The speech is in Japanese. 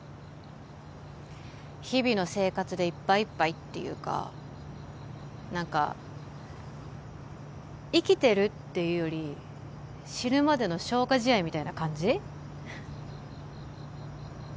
日々の生活でいっぱいいっぱいっていうか何か生きてるっていうより死ぬまでの消化試合みたいな感じ？